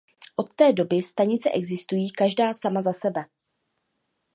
Od té doby stanice existují každá sama za sebe.